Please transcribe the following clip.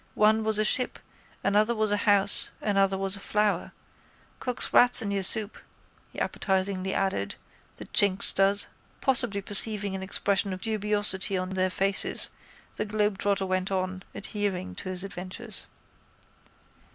One was a ship, another was a house, another was a flower. Cooks rats in your soup, he appetisingly added, the chinks does. Possibly perceiving an expression of dubiosity on their faces the globetrotter went on, adhering to his adventures.